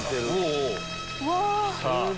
うわ！